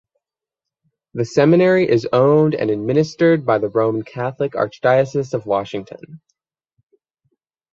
The seminary is owned and administered by the Roman Catholic Archdiocese of Washington.